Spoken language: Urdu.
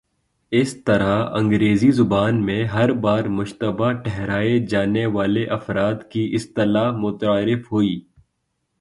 اس طرح انگریزی زبان میں ''ہر بار مشتبہ ٹھہرائے جانے والے افراد "کی اصطلاح متعارف ہوئی۔